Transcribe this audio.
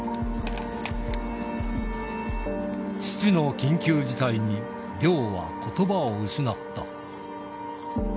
父の緊急事態に、凌央はことばを失った。